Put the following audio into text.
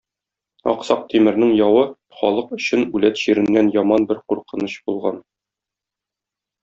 Аксак Тимернең явы халык өчен үләт чиреннән яман бер куркыныч булган.